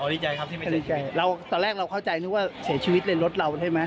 เค้าดีใจครับที่ไม่เสียชีวิตเราตอนแรกเราเข้าใจว่าเสียชีวิตเลยรถเราใช่ไหม